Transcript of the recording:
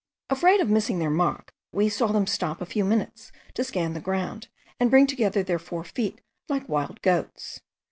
Afraid of missing their mark, we saw them stop a few minutes to scan the ground, and bring together their four feet like wild goats.